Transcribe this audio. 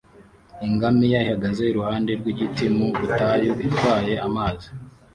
ingamiya ihagaze iruhande rw'igiti mu butayu itwaye amazi